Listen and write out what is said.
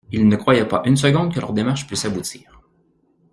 Il ne croyait pas une seconde que leur démarche puisse aboutir.